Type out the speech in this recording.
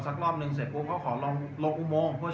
แต่ว่าเมืองนี้ก็ไม่เหมือนกับเมืองอื่น